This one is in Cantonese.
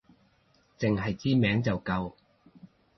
淨係知名就夠